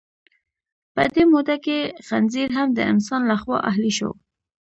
په دې موده کې خنزیر هم د انسان لخوا اهلي شو.